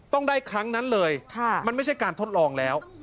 ต้องได้ครั้งนั้นเลยมันไม่ใช่การทดลองแล้ว